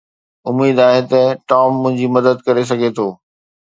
اميد آهي ته ٽام منهنجي مدد ڪري سگهي ٿو.